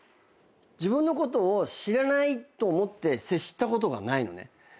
自分のことを知らないと思って接したことがないのね。